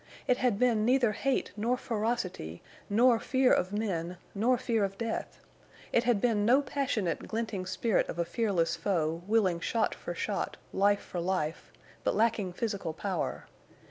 It had been neither hate nor ferocity nor fear of men nor fear of death. It had been no passionate glinting spirit of a fearless foe, willing shot for shot, life for life, but lacking physical power.